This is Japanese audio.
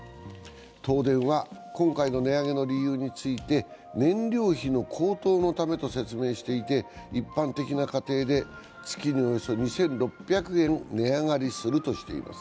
東電は、今回の値上げの理由について燃料費の高騰のためと説明していて、一般的な家庭で月におよそ２６００円値上がりするとしています。